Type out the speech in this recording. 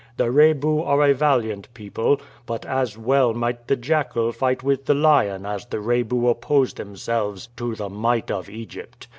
The Rebu are a valiant people, but as well might the jackal fight with the lion as the Rebu oppose themselves to the might of Egypt.